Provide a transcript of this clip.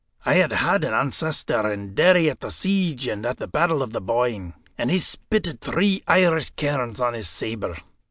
I had had an ancestor in Derry at the siege and at the Battle of the Boyne, and he spitted three Irish kerns on his sabre.